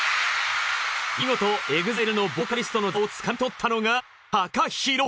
見事ＥＸＩＬＥのボーカリストの座をつかみ取ったのがＴＡＫＡＨＩＲＯ！